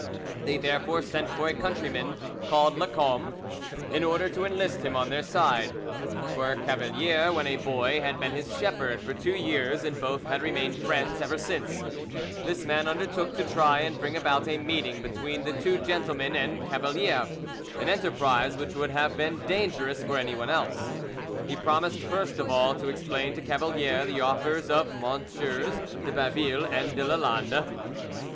They therefore sent for a countryman called Lacombe, in order to enlist him on their side; for Cavalier, when a boy, had been his shepherd for two years, and both had remained friends ever since: this man undertook to try and bring about a meeting between the two gentlemen and Cavalier—an enterprise which would have been dangerous for anyone else. He promised first of all to explain to Cavalier the offers of MM. de Baville and de Lalande.